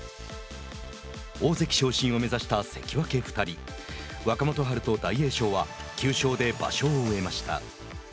大関昇進を目指した関脇２人若元春と大栄翔は９勝で場所を終えました。